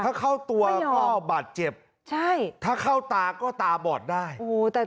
ถ้าเข้าตัวก็บาดเจ็บถ้าเข้าตาก็ตาบอดได้